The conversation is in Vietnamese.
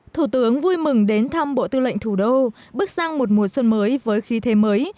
thủ tướng vui mừng đến thăm bộ tư lệnh thủ đô bước sang một mùa xuân mới với khí thế mới